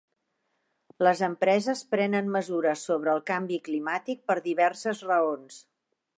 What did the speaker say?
Les empreses prenen mesures sobre el canvi climàtic per diverses raons.